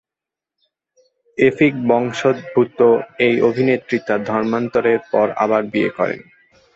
এফিক-বংশোদ্ভূত এই অভিনেত্রী, তার ধর্মান্তরের পর আবার বিয়ে করেন।